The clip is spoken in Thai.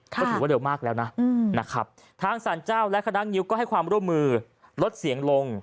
ก็ถือว่าเร็วมากแล้วนะนะครับทางสารเจ้าและคณะงิ้วก็ให้ความร่วมมือลดเสียงลง